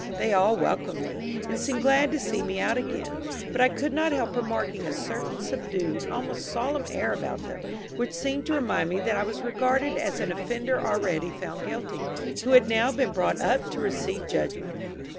They all welcomed me, and seemed glad to see me out again; but I could not help remarking a certain subdued, almost solemn air about them, which seemed to remind me that I was regarded as an offender already found guilty, who had now been brought up to receive judgment.